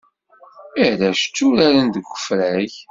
Arrac tturaren deg ufrag.